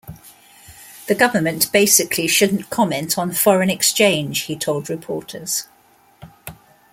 The government basically shouldn't comment on foreign exchange, he told reporters.